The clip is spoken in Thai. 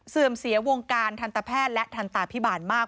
เสียวงการทันตแพทย์และทันตาพิบาลมาก